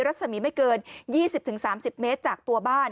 รัศมีไม่เกิน๒๐๓๐เมตรจากตัวบ้าน